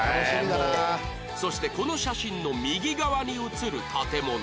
そしてこの写真の右側に写る建物は